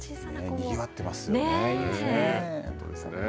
にぎわってますね。